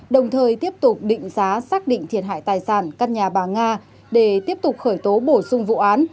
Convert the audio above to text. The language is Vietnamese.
đồng thời tiếp tục định giá xác định thiệt hại tài sản căn nhà bà nga để tiếp tục khởi tố bổ sung vụ án